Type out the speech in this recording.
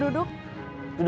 jadi keambil mulut di sini